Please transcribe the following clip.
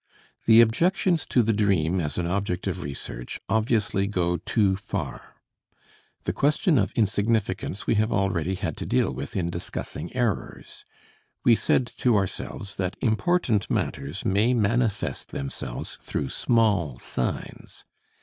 The objections to the dream as an object of research obviously go too far. The question of insignificance we have already had to deal with in discussing errors. We said to ourselves that important matters may manifest themselves through small signs.